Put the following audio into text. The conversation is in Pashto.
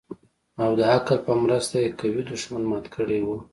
او د عقل په مرسته يې قوي دښمن مات کړى و.